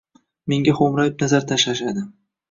Menga xo’mrayib nazar tashlashadi.